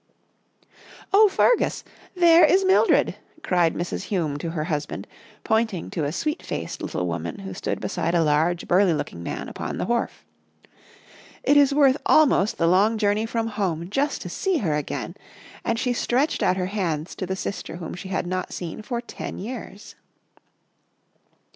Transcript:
u Oh, Fergus! There is Mildred!" cried Mrs. Hume to her husband, pointing to a sweet faced little woman who stood beside a large, burly looking man upon the wharf. " It is worth almost the long journey from home just to see her again !" and she stretched out her hands to the sister whom she had not seen for ten years.